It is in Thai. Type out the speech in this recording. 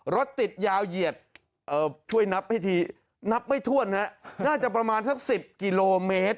รถติดยาวเหยียดช่วยนับพิธีนับไม่ถ้วนฮะน่าจะประมาณสัก๑๐กิโลเมตร